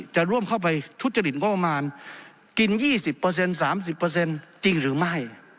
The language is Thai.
จะร่วมเข้าไปทุจริตงบประมาณกิน๒๐๓๐จริงหรือไม่